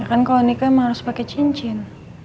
ya kan kalau nikah emang harus pakai cincin